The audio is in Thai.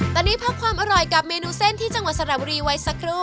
ตอนนี้พักความอร่อยกับเมนูเส้นที่จังหวัดสระบุรีไว้สักครู่